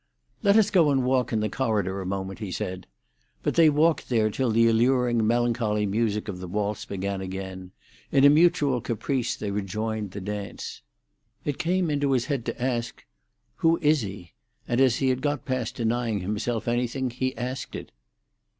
"Let us go and walk in the corridor a moment," he said. But they walked there till the alluring melancholy music of the waltz began again. In a mutual caprice, they rejoined the dance. It came into his head to ask, "Who is he?" and as he had got past denying himself anything, he asked it.